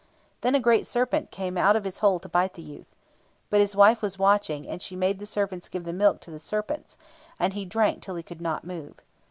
Then a great serpent came out of his hole to bite the youth. But his wife was watching, and she made the servants give the milk to the serpent, and he drank till he could not move.